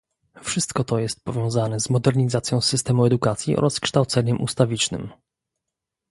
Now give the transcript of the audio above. Wszystko to jest powiązane z modernizacją systemu edukacji oraz z kształceniem ustawicznym